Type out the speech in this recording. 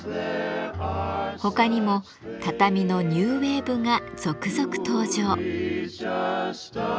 他にも畳のニューウエーブが続々登場。